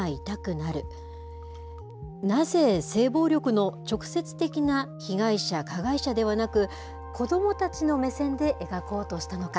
なぜ性暴力の直接的な被害者、加害者ではなく、子どもたちの目線で描こうとしたのか。